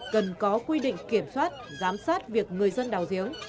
cần có quy định kiểm soát giám sát việc người dân đào giếng